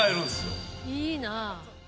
いいなぁ。